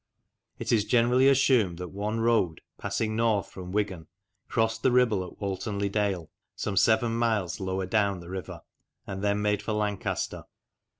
It is generally assumed that one road, passing north from Wigan, crossed the Ribble at Walton le Dale, some seven miles lower down the river, and then made for Lancaster.